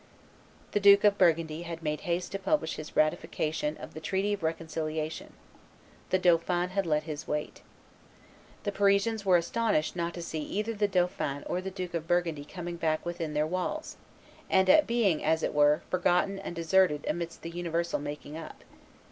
The Duke of Burgundy had made haste to publish his ratification of the treaty of reconciliation; the dauphin had let his wait. The Parisians were astounded not to see either the dauphin or the Duke of Burgundy coming back within their walls, and at being, as it were, forgotten and deserted amidst the universal making up.